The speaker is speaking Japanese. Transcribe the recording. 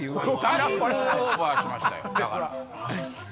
だいぶオーバーしましたよ。